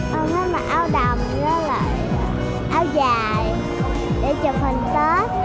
con thấy mà áo đầm rất là áo dài để chụp hình tết